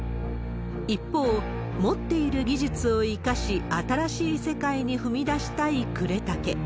一方、持っている技術を生かし、新しい世界に踏み出したい呉竹。